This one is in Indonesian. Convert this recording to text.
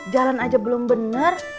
jalan aja belum bener